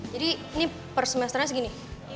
jadi ini per semesternya segini